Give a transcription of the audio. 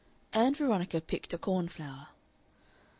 Ann Veronica picked a cornflower.